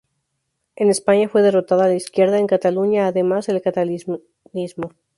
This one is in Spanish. En España fue derrotada la izquierda, en Cataluña, además, el catalanismo.